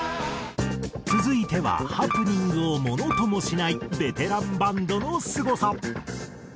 続いてはハプニングをものともしないベテランバンドのすごさ。